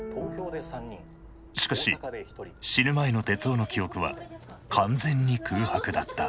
しかし死ぬ前の徹生の記憶は完全に空白だった。